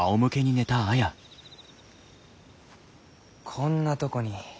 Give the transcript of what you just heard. こんなとこに。